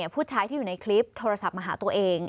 ผู้ชายที่อยู่ในคลิปโทรศัพท์มาหาตัวเอง